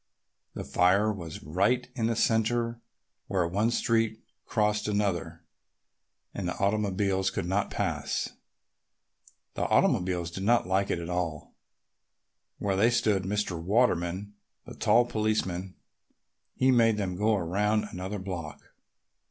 The fire was right in the centre where one street crossed another and the automobiles could not pass. The automobiles did not like it at all, but there stood Mr. Waterman, the tall policeman, and he made them all go around another block.